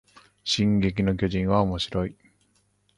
進撃の巨人はおもしろい